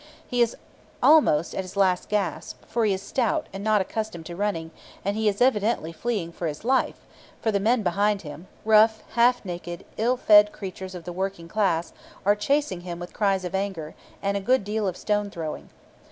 He is almost at his last gasp, for he is stout and not accustomed to running; and he is evidently fleeing for his life, for the men behind him rough, half naked, ill fed creatures of the working class are chasing him with cries of anger, and a good deal of stone throwing.